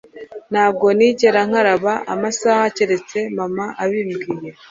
ntabwo nigera nkaraba amasahani keretse mama abimbwiye